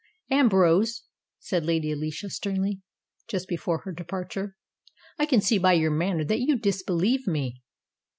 "Ambrose," said Lady Alicia sternly, just before her departure, "I can see by your manner that you disbelieve me."